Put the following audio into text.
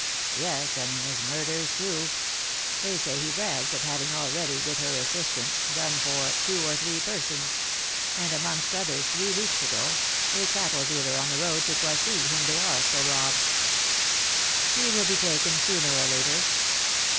"Yes, and in his murders too. They say he brags of having already, with her assistance, 'done for' two or three persons; and, amongst others, three weeks ago, a cattle dealer on the road to Poissy, whom they also robbed." "He will be taken sooner or later."